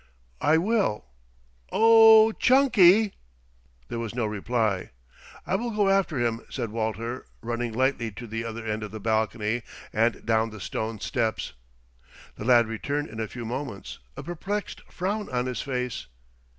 "I will. O h h Chunky!" There was no reply. "I will go after him," said Walter, running lightly to the other end of the balcony and down the stone steps. The lad returned in a few moments, a perplexed frown on his face.